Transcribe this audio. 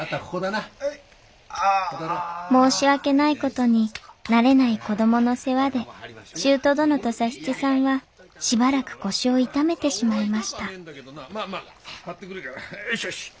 申し訳ない事に慣れない子供の世話で舅殿と佐七さんはしばらく腰を痛めてしまいました